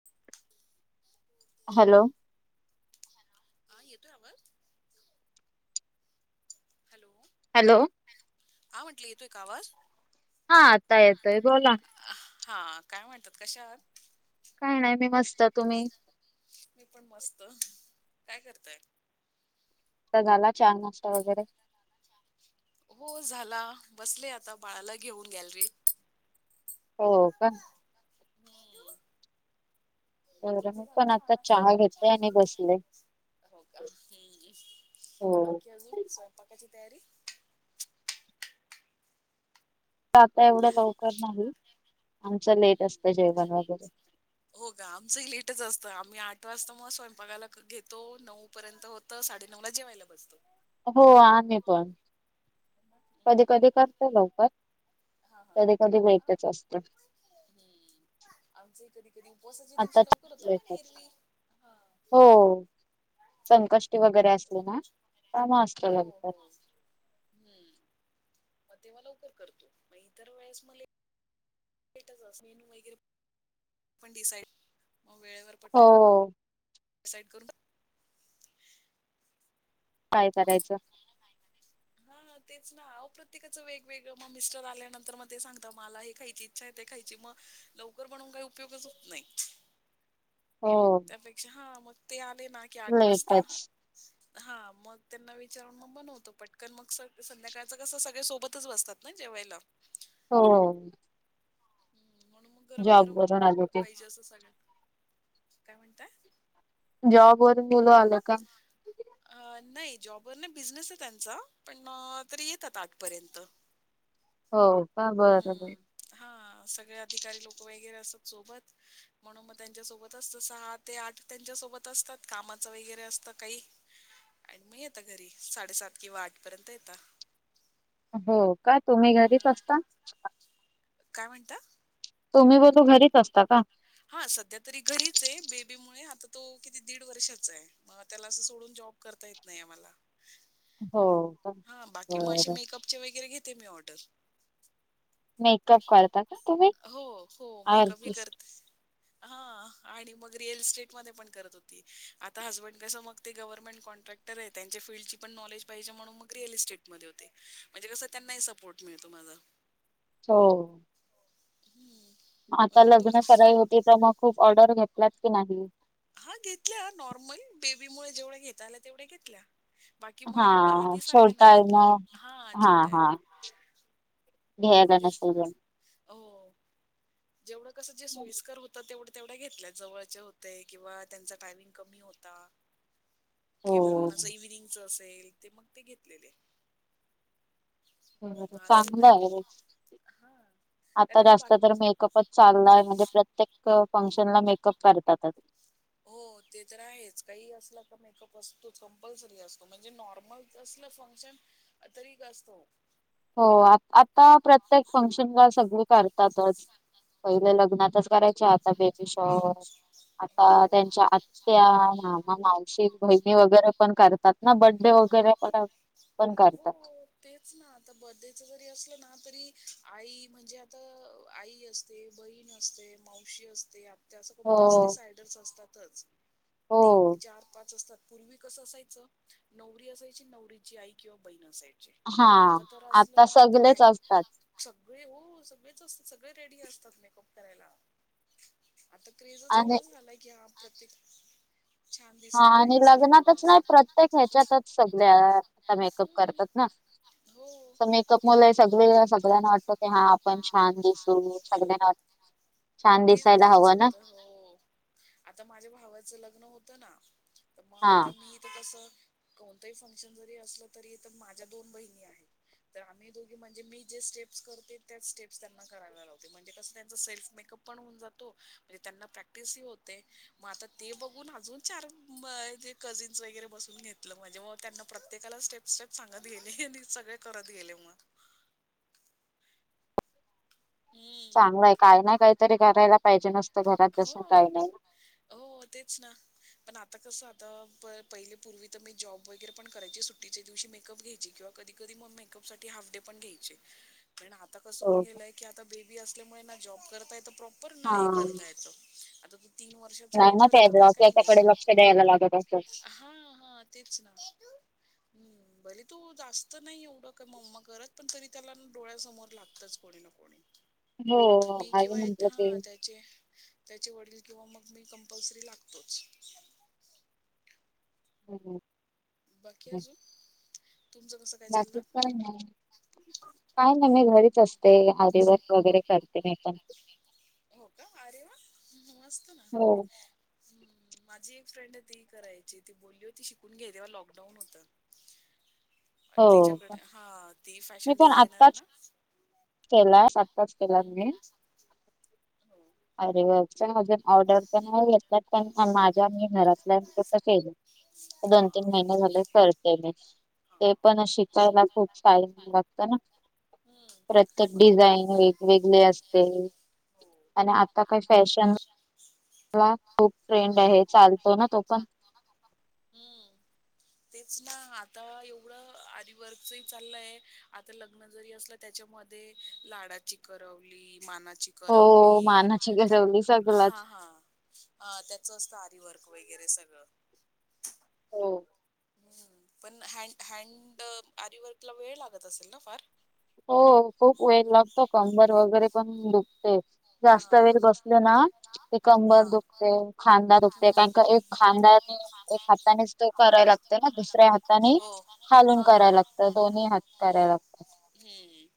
[inaudible] Hello? हा येतोय आवाज? हॅलो? हॅलो? [unintelligible] हा, म्हंटलं येतोय का आवाज? हा, आता येतोय बोला. हा काय म्हणतात, कशाा आहात? काही नाही, मी मस्त तुम्ही? मी पण मस्त, काय करताय? आता झाला च्या नाष्टता वगैरे. हो झाला, बसले आता बाळाला घेऊन गॅलरीत. हो का? हम्म. बर, तुमचं मी झालं पण आता नाश्ता चहा घेतलाय आणि बसले. हो का? हम्.. हो. अखी अजून स्वयंपाकाची तयारी? आता एवढं लवकर नाही आमचं लेट हम्म. असतं जेवण वगैरे हो का आमचंही लेटच असतं आम्ही आठ वाजता म स्वयंपाकाला घेतो नऊ पर्यंत होत साडे नऊ ला जेवायला बसतो. हो आम्ही पण कधी कधी करते लवकर हा कधी कधी हा लेटच असतं हम्म आमचही कधी कधी उपवासाच्या आता दिवशी लवकर होत पण लेटच एरवी हा हो संकष्टी वगैरे असली ना काम असतं हो लवकर हो. हम्म म तेव्हा लवकर करतो म इतर वेळेस म ले ट चं असं मेनू वगैरे [inaudible] पण डिसाईड म वेळेवर पटकन हो. डिसाईड करून काय करायचं. त्याला नाही म्हणे हा तेच ना आहो प्रत्येकाचं वेगवेगळं म मिस्टर आल्यानंतर म ते सांगता मला हे खायची इच्छा ये त खायची मग लवकर बनून काही उपयोगच होत नाही. हो. त्या पेक्षा हा मग ते आले ना की आठ वाजता लेटच हा मग त्यांना विचारून मग बनवतो पटकन मग स संध्याकाळच कस सगळे सोबतच बसतात. नाय जेवयला. हो. हम्म म्हणून म गरम जॉब गरम वरून आले की पाहिजे असं सगळ्यांना काय म्हणताय जॉब वरून मुलं आले का अ नाही जॉबवर नाही बिझनेस ये त्यांचा पण येतात आठपर्यंत हो का बरं ब हम्म. हा सगळे अधिकारी लोक वगैरे असतात सोबत म्हणून म त्यांच्यासोबत असत सहा ते आठ त्यांच्या सोबत असतात कामाचं वगैरे असतं काही आणि म येता घरी साडेसात किंवा आठ पर्यंत येता. हो का तुम्ही घरीच असता. काय म्हणता? तुम्ही बोलू घरीच असता का? हा सध्या तरी घरीच आहे बेबी मुळे आता तो किती दीड वर्षाचा आहे. म त्याला असं सोडून जॉब करता येत नाय ये मला. हो. का हा बाकी म असे बरं मेकअपचे वगैरे घेते मी ऑर्डर. मेकअप करता का तुम्ही? हो हो मेकअप ही आर्टिस्ट. करत हा आणि मग रिअल इस्टेटमध्ये पण करत होती आता हसबंड कस मग ते गव्हर्नमेंट कॉन्ट्रॅक्ट क्टर ये त्यांच्या फील्डची पण नॉलेज पाहिजे म्हणून मग रिअल इस्टेट मध्ये होते. म्हणजे कस त्यांनाही सपोर्ट मिळतो माझा. हो. हम्म. आता लग्न सराई होती त मग खूप ऑर्डर घेतलात की नाही. हा घेतल्या नॉर्मल बेबी मुळ जेवढ्या घेता आल्या तेवढ्या घेतल्या. बाकी म एवढं हा आधी सारखं छोटा नाय आहे घेतलं मग हा छोट आहे. घ्यायला नसेल जमत. आधीच हो जेवढं कसं जे सोयीस्कर होत तेवढं तेवढ्या घेतल्या. जवळचे होते किंवा त्यांचा टायमिंग कमी होता. [inaudible] हो किंवा कोणाचं इव्हिनिंगच असेल ते मग ते घेतलेले. मग असं चांगलं नाही की आहे. हा आता कारण की वा जास्त तर मेकअपच- चांगलंय. म्हणजे प्रत्येक फंक्शनला मेकअप करतातच. हो ते तर आहेच. काही असल का मेकअप असतोच कंपल्सरी असतो म्हणजे नॉर्मल- कसलं फंक्शन तरी असतो. हो आता प्रत्येक फंक्शनला सगळे करतातच. पहिले लग्नातच करायचे. आता बेबी शॉवर, आता हो त्यांच्या आ- -त्या, मामा, मावशी, बहिणी वगैरे पण करत- [inaudible] तात ना? बर्थ डे हा वगैरे आपला पण हो करतात. तेच ना. आता बर्थ डे च जरी असलं ना तरी आई म्हणजे आता आई अस- -ते बहीण असते. मावशी असते आप- ते असं हो कंपल्सरी सायडर्स असतातच. हो तीन चार पाच असतात. पूर्वी कसं असायचं? नवरी असायची. नवरीची आई किंवा बहीण असायची. हा. आता तर असलं आता ना तर सगळेच पॅक असतात. सगळे हो. सगळेच असतात. सगळे रेडी असतात मेकअप करायला. आता क्रेजच आणि एवढाच झालाय की हा प्रत्येक- छान हा दिसलं आणि पाहिजे सगळ्यांनी लग्नातच असं. [inaudible] ह्याच्यातच सगळ्या आता मेकअप हम्म करतात ना? हो [unintelligible] मला हे सगळे सगळ्यांना - ते हा. आपण छान दिसू. सगळ्यांना छान तेच दिसायला तेच हवं ना? होतं हो. आता माझ्या भावाचं लग्न होतं ना? तर मग हा आता मी तर कसं- कोणतंही फंक्शन जरी असलं तरी आता माझ्या दोन बहिणी आहेत. तर आम्ही दोघी म्हणजे, मी जे स्टेप्स करते- त्याच स्टेप्स त्यांना करायला लावते. म्हणजे कसं त्यांचा सेल्फ मेकअप पण होऊन जातो. म्हणजे त्यांना प्रॅक्टिसही होते. मग आता ते बघून अजून चार जे कझिन्स वगैरे बसून घेतलं. म्हणजे मग त्यांना प्रत्येकाला स्टेप- सप सांगत गेले आणि सगळे करत गेले मग. हम्म चांगलंय. काय नाही काहीतरी करायला पाहिजे ना - हो. हो तेच ना. पण आता कसं? आता पहिले पूर्वी तर मी जॉब वगैरे पण करायची. सुट्टीच्या दिवशी मेकअप घ्यायची किंवा- कधी कधी मग मेकअपसाठी हाफ डे पण घ्यायचे. पण आता कसं होऊन हो गेलंय की आता बेबी असल्यामुळे ना? जॉब करताय तर प्रॉपर नाही हे हा करता येत. आता ते तीन वर्षाच नाही ना होईपर्यंत त्या तरी काही नाही त्याच्याकडे आहे. लक्ष द्यायला लागत असं हा हा. तेच ना. हम्. भले तू जास्त नाही एवढं कमव. म घरात पण तरी त्याला डोळ्यासमोर लागतच कोणी ना कोणी. हो मी आई किंवा य म्हटलं हा ते आता- त्याचे वडील किंवा मग मी कंपल्सरी लागतोच. हम. बाकी अजून? तुमच- बाकीच काय नाही. काय नाही मी घरीच असते. आरी वर्क वगैरे करते मी पण. हो का? अरे वा! मस्त ना. हो हम. माझी एक फ्रेंड आहे ती करायची. ती बोलली होती शिकून घे. तेव्हा लॉकडाऊन होतं. हो तिच्याकडे हा ती फॅशन डिझायनर आहे ना केला सत्ताच केला हम्म, मी हम्म. हो अरे वा अजून ऑर्डर तर नाही हम्म. घेतात पण माझ्या मी घरातल्या तल दोन हा तीन महिने झाले करते म हा ते पण शिकायला खूप ईम लागत ना हम्म. प्रत्येक पण- डिझाईन वेगवेगळे असते आणि आता काही फॅशन अचछा मला खूप फ्रेंड आहे चालतो ना तो पण हम्म तेच ना आता एवढं आधी वर्गच चाललंय आता लग्न जरी असलं त्याच्यामध्ये लाडाची करवली मानाची हो करवली मानाची गरवली सगलाच हा हा त्याच असतं आरीवर्क वगैरे सगळं हो हम्म पण ह हँड आरीवर्क ला वेळ लागत असेल ना फार त खूप वेळ लागतो कंबर वगैरे पण दुखते जास्त हा वेळ बसल ना ते कंबल हा दुखते खांदा दुखते कारण का एक खांदा एक हातानेच तो कराय लागतो ना दुसऱ्या हाताने हो हालून हा हा कराय हा लागत दोन्ही हात हो तरा लागत हम्म.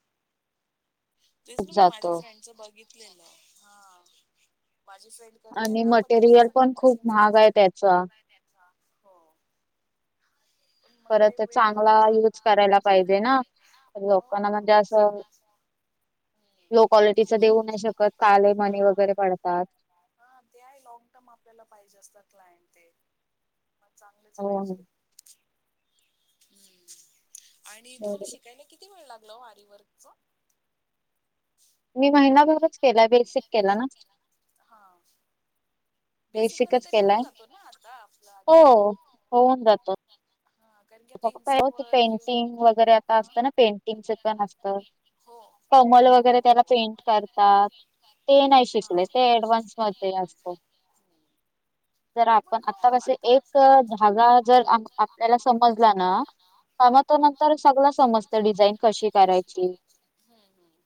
तेच खूप ना मी माझ्या जातो फ्रेंडच बघितले ना माझी फ्रेंड करते आणि ना पण ते आता मटेरियल सध्या पण खूप मशीनग महाग त्याचा आहे त्याच हो. [inaudible] मग ते वेळ पण चांगला करायला पाहिजे ना लोकांना हो म्हणजे ते असं लो क्वालिटीचा देऊ नाही शकत काले मनी वगैरे पडतात हा ते आहे लॉंग टर्म आपल्याला पाहिजे असतात क्लायंट ते म चांगलंच हो हो. पाहिजे हम्म आणि तुम्हाला बरोबर. शिकायला किती वेळ लागला आरवर्कच मी महिनाभरच केलाय बेसिक केला ना हा. बेसिक मध्ये बेसिकच तरी होऊन केलाय जातो ना आता आपलं हो. आजकाल हा. होऊन जातो कारण की आता फक्त का इन्स्टावर किंवा पेंटिंग वगैरे आता हा असतं ना पेंटिंगच पण असत. हो कमल हो वगैरे हो त्याला हो पेंट करतात ते नाही हा शिकले हम्म ते डव्हान्स. स्वत असतो. ज ते आपण पण का आता हो कस एक धगा जर आपल्याला. त्याला समजला ना. समजताना मामा तो नंतर सगळ समजत डिझाईन कशी करायची. हम्म हम्म.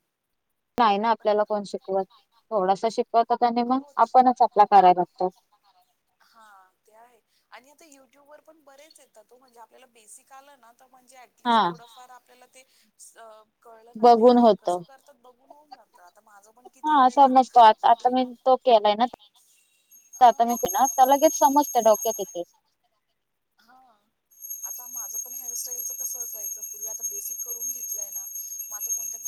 नाही ना आपल्याला कोण शिकवत. यच नाही ना आपल्यालाग थोडासा शिक शिकवतात आणि मग आपणच आपला कराय लागतो. श आपण. हा ते आहे. आणि आता युट्यूब वर पण बरेच येतात तो म्हणजे आपल्याला बेसिक आला ना म्हणजे. हा स्ट थोडंफार आपल्याला ते. कळलं ना की हा बघून हे होत. कसं करतात बघून होऊन जात आता माझं पण किती हा वेळ झालं समजतो आता आता पर्वी. मी हो. तो केलाय ना आता माती ना त्या लगेच समजतते डोक्यातिथे. हा. आता माझं पण हेअरस्टाईलचं कसं असायचं पूर्वी आता बेसिक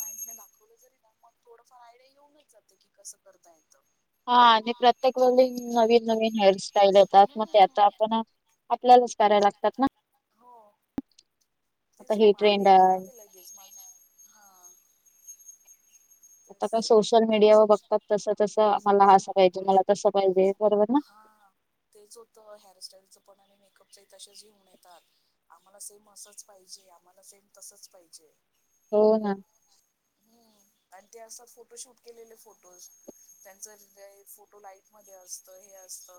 ंड दाखवलं जरी मग थोडंफार आयडिया येऊन नाही जात की कस करता येतं. हा आणि प्रत्येक वेळी नवीन नवीन हेअर सटाईल येतात मग हम्म ते हम्म आता आपण. आपल्यालाच कराय लागतात ना. हो. आता तेच ना हे मग ट्रेंड आयडिया घऊन आहे. जाते लगेज माहि नाही हा. आता का तेच सोशल मीडिया व बघतात तसं तसं आम्हाला असं पाहिजे मला तसं पाहिजे बरोबर ना. हा तेच होतं हेअरस्टाईलचं पण आणि मेकअपचही तसेच घेऊन येतात. आम्हाला सेम असंच पाहिजे आम्हाला सेम तसच पाहिजे. हो ना. हम्म आणि ते असतात फोटोशूट केलेले फोटोज त्यांचं ज फोटो लाईट मध्ये असत हे असत.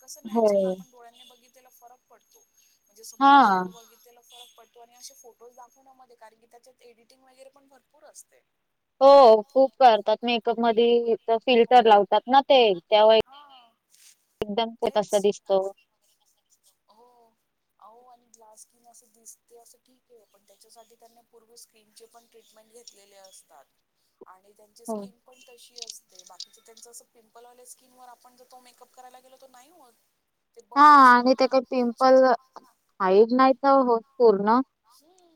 कसं हो नॅचरल आपण डोळ्यांनी बघितलेला फरक पडतो म्हणजे समोरा हा. समोर बघितलेला फरक पडतो. आणि असे फोटोज दाखवण्या मध्ये कारण की त्याच्यात एडिटिंग वगैरे पण भरपूर असते. हो खूप करतातच्यामध्ये फिल्टर लावतात ना ते. एकदम ते तसं दिसतो तेचगत हो. अो आणि ग्लास स्किन असं दिसते असं ठीक आहे पण त्याच्यासाठी त्यांनी पूर्व स्क्रीनचे पण ट्रीटमेंट घेत असतात आणि त्यांचे हो. स्किन पण तशी असते बाकीच त्यांचं असं पिंपल वाले स्किन वर आपण जर तो मेकअप करायला गेलो नाही हो. [inaudible] हा आणि त्या का पिंपल हाईट नाही तर हो पूर्ण. आहे.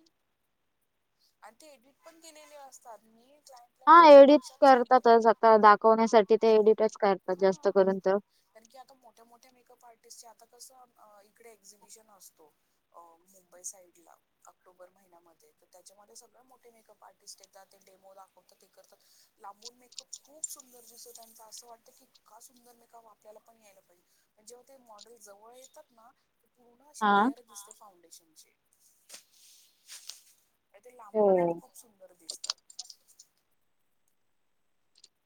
आणि ते एडिट पण केलेले असतात मी क्लायंटला हा एवढं एडिट प्रत्यक्षात सांगते करतातच आता दाखवण्यासाठी ते एडिटच करतात जास्त करून हा तर कारण की आता मोठ्या मोठ्या मेकअप आर्टिस्टचे आता कसं इकडे एक्झिबिशन असतो अ मुंबई साईड ला ऑक्टोबर महिन्यामध्ये त्याच्यामध्ये सगळ मोठे मेकअप आर्टिस्ट येतात ते डेमो दाखवतात ते करतात लांबून मेक खूप सुंदर दिसत त्यांचा असं वाटतं क इतका सुंदर नाही का आपल्याला पण यायला पाहिजे जेव्हा ते मॉडेल जवळ येतात ना पूर्ण अशी हा लेअर दिसते फाउंडेशन ते हो लांबूनच खूप सुंदर दिसतात.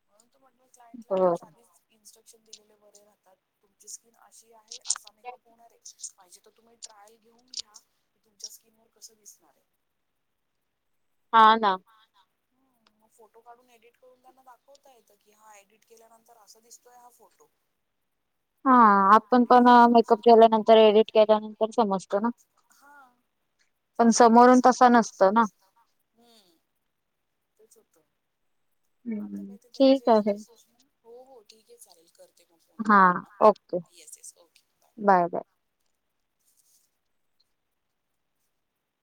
म्हणून तू म्हणो क्लायंटला ते हो. आधीच इन्स्ट्रक्शन दिलेले बरे राहतात. तुमची स्किन अशी आहे असा मेकअप होणार एक्हिजे. तर तुम्ही ट्रायल घेऊन घ्या तुमच्या स्किन वर कसं दिसणार आहे. हा ना. ना ना. फोटो काढून एडिट करून त्यांना दाखवता येतं की हा एडिट केल्यानंतर असा दिसतोय हा फोटो. हा [inaudible] विदाउट आपण पण एडिटिंग असं मेकअप दिसतड केल्यानंतर एडिट केल्यानंतर समजतो ना हा पण तेच ना तसा समोरून तसं नसतो नसतं ना हम्म ते सु होटतो आता हम्म. काय ते ठीक त्यांचे आहे आता सोचण हो हो ठीक आहे चालेल करते मग फोन हा ओके तुम्हाला येस येस ओके बाय